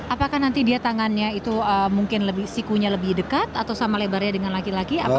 apakah nanti dia tangannya itu mungkin sikunya lebih dekat atau sama lebarnya dengan laki laki